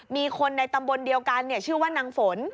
มีคนในตำบลเดียวกันชื่อว่านางฝน